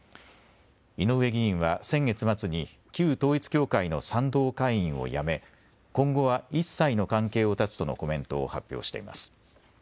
井上議員は先月末に旧統一教会の賛同会員をやめ今後は一切の関係を断つとのコメントを発表しています。